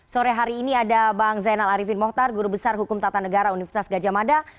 sore hari ini ada bang zainal arifin mohtar guru besar hukum tata negara universitas gajah mada